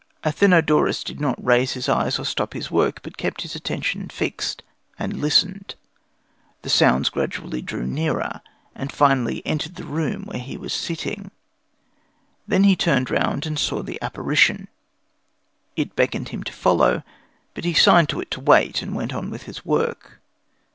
Athenodorus did not raise his eyes or stop his work, but kept his attention fixed and listened. The sounds gradually drew nearer, and finally entered the room where he was sitting. Then he turned round and saw the apparition. It beckoned him to follow, but he signed to it to wait and went on with his work.